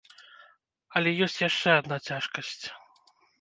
Але ёсць яшчэ адна цяжкасць.